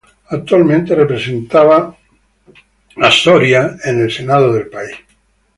Actualmente representada al estado de Indiana en el Senado de ese país.